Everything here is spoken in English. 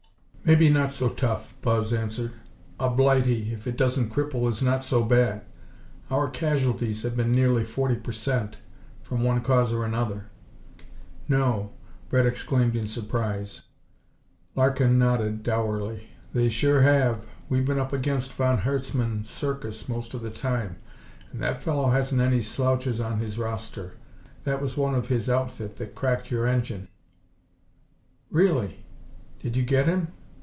"Maybe not so tough," Buzz answered. "A Blighty, if it doesn't cripple, is not so bad. Our casualties have been nearly forty per cent, from one cause or another." "No!" Red exclaimed in surprise. Larkin nodded, dourly. "They sure have! We've been up against von Herzmann's Circus most of the time, and that fellow hasn't any slouches on his roster. That was one of his outfit that cracked your engine." "Really? Did you get him?"